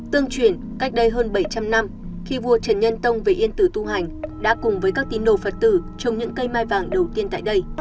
tương truyền cách đây hơn bảy trăm linh năm khi vua trần nhân tông về yên tử tu hành đã cùng với các tín đồ phật tử trồng những cây mai vàng đầu tiên tại đây